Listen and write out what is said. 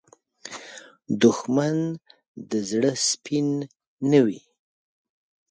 دښمن د زړه سپین نه وي